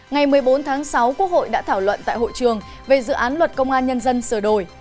ngày một mươi bốn tháng sáu quốc hội đã thảo luận tại hội trường về dự án luật công an nhân dân sửa đổi